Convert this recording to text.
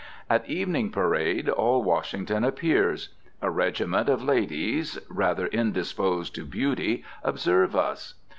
At evening parade all Washington appears. A regiment of ladies, rather indisposed to beauty, observe us.